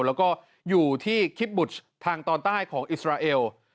แล้วก็อยู่ที่คิปบุชทางตอนใต้ของอิสราเอล